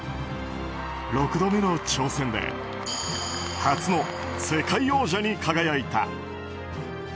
６度目の挑戦で初の世界王者に輝いた。